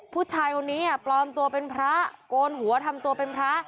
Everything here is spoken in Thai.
ผู้ชายคนนี้ปลอมตัวเป็นพระโกนหัวทำตัวเป็นพระ